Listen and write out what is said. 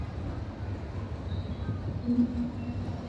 Ngombe wasioathirika wanapogusana na wagonjwa